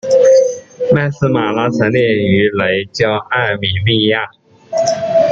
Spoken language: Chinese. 麦丝玛拉成立于雷焦艾米利亚。